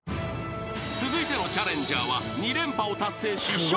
［続いてのチャレンジャーは２連覇を達成し笑